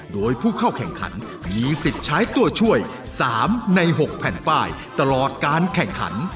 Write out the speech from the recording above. โดยผู้เข้าแข่งขันมีสิทธิ์ใช้ตัวช่วย๓ใน๖แผ่นป้ายตลอดการแข่งขัน